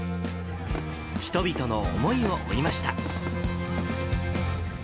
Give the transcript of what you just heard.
人々の思いを追いました。